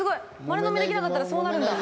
丸のみできなかったらそうなるんだ。